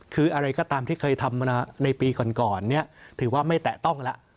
คืออะไรก็ตามที่เคยทำมาในปีก่อนเนี่ยถือว่าไม่แตะต้องแล้ว